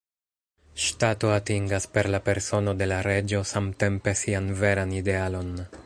Ŝtato atingas per la persono de la reĝo samtempe sian veran idealon.